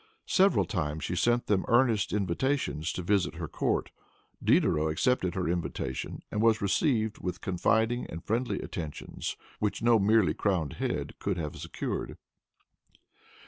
Several times she sent them earnest invitations to visit her court. Diderot accepted her invitation, and was received with confiding and friendly attentions which no merely crowned head could have secured.